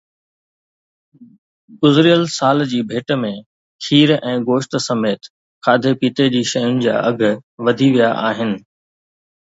گذريل سال جي ڀيٽ ۾ کير ۽ گوشت سميت کاڌي پيتي جي شين جا اگهه وڌي ويا آهن